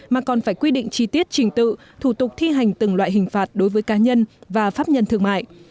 mà còn phải quy định chi tiết trình tự thủ tục thi hành từng loại hình phạt đối với cá nhân và pháp nhân thương mại